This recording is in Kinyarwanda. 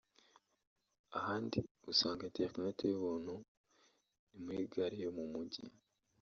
Ahandi usanga internet y’ubuntu ni muri Gare yo mu Mujyi